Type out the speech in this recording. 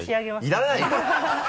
いらないわ！